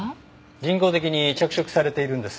人工的に着色されているんです。